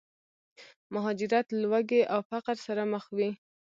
مهاجرت، لوږې او فقر سره مخ وي.